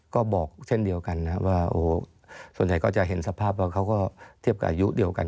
ก็บอกเช่นเดียวกันนะว่าส่วนใหญ่ก็จะเห็นสภาพแล้วเขาก็เทียบกับอายุเดียวกัน